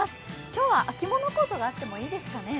今日は秋物コートがあってもいいですかね。